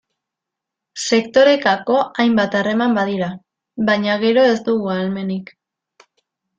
Sektorekako hainbat harreman badira, baina gero ez dugu ahalmenik.